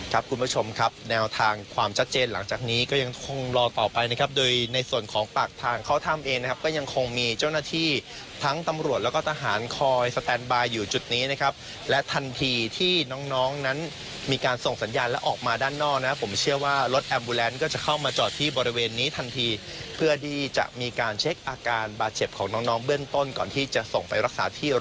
ครับคุณผู้ชมครับแนวทางความชัดเจนหลังจากนี้ก็ยังคงรอต่อไปนะครับโดยในส่วนของปากทางเขาทำเองนะครับก็ยังคงมีเจ้าหน้าที่ทั้งตำรวจแล้วก็ทหารคอยสแตนบายอยู่จุดนี้นะครับและทันทีที่น้องน้องนั้นมีการส่งสัญญาและออกมาด้านนอกนะครับผมเชื่อว่ารถแอมบูแลนต์ก็จะเข้ามาจอดที่บริเวณนี้ทันทีเพื่อดีจะมีก